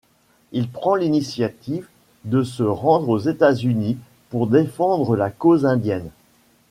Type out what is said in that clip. Il prend l’initiative de se rendre aux États-Unis pour défendre la cause indienne.